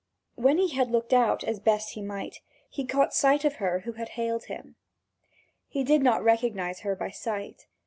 When he had looked out as best he might, he caught sight of her who had hailed him. He did not recognise her by sight.